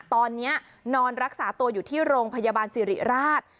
ตอนนี้นอนรักษาตัวอยู่ที่โรงพยาบาลสิริราช